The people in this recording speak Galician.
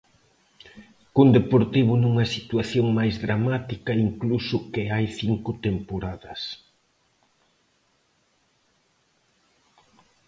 Cun Deportivo nunha situación máis dramática incluso que hai cinco temporadas.